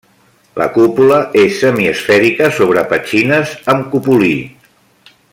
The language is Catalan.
La cúpula és semiesfèrica sobre petxines amb cupulí.